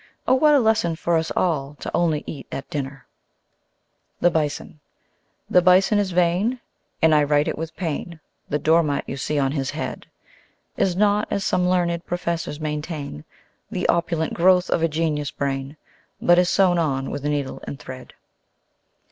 Oh! what a lesson for us all To only eat at dinner! The Bison The Bison is vain, and (I write it with pain) The Door mat you see on his head Is not, as some learned professors maintain, The opulent growth of a genius' brain; But is sewn on with needle and thread.